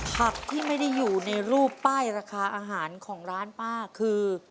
ผักที่ไม่ได้อยู่ในรูปป้ายราคาอาหารของร้านป้าคือ